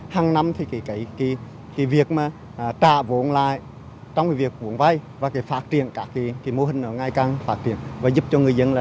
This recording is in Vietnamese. hằng năm thì cái việc mà trả vốn lại trong cái việc vốn vay và cái phát triển các cái mô hình nó ngày càng phát triển và giúp cho người dân là